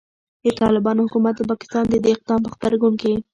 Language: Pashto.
د طالبانو حکومت د پاکستان د دې اقدام په غبرګون کې